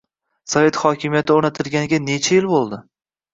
— Sovet hokimiyati o‘rnatilganiga necha yil bo‘ldi?